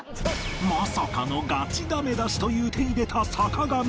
まさかのガチダメ出しという手に出た坂上